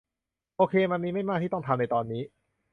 โอเค มันมีไม่มากที่ต้องทำในตอนนี้